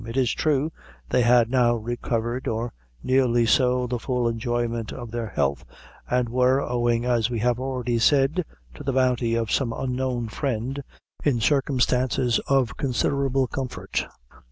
It is true, they had now recovered, or nearly so, the full enjoyment of their health, and were owing, as we have already said, to the bounty of some unknown friend in circumstances of considerable comfort.